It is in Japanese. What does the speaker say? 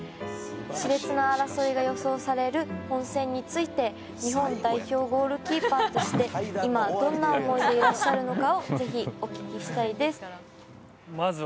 熾烈な争いが予想される本戦について日本代表ゴールキーパーとして今、どんな思いでいらっしゃるのかをぜひお聞きしたいです。